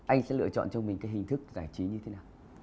anh sẽ lựa chọn cho mình cái hình thức giải trí như thế nào